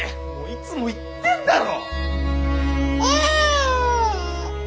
いつも言ってんだろ！